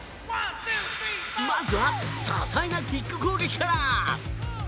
まずは、多彩なキック攻撃から。